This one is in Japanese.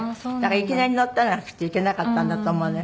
いきなり乗ったのがきっといけなかったんだと思うのよ。